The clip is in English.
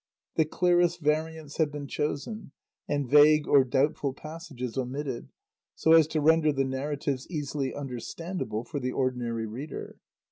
The clearest variants have been chosen, and vague or doubtful passages omitted, so as to render the narratives easily understandable for the ordinary reader.